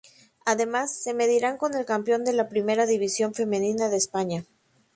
Además, se medirán con el campeón de la Primera División Femenina de España.